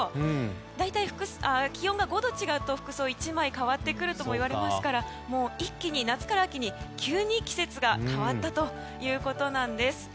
大体気温が５度違うと、服装１枚変わってくるといわれますから一気に夏から秋に急に季節が変わったということなんです。